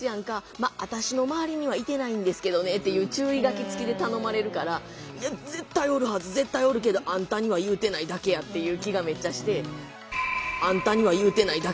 まあ私の周りにはいてないんですけどね」っていう注意書きつきで頼まれるから「絶対おるはず！絶対おるけどあんたには言うてないだけや」っていう気がめっちゃして。